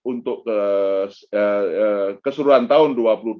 untuk keseluruhan tahun dua ribu dua puluh